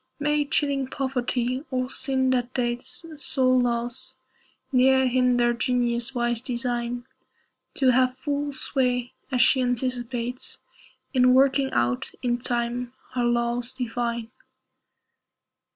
May chilling poverty, or sin that dates Soul loss, ne'er hinder Genius' wise design To have full sway as she anticipates In working out, in time, her laws divine.